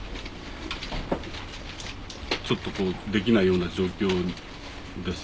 ちょっとできないような状況です